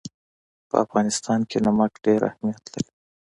په افغانستان کې نمک ډېر اهمیت لري.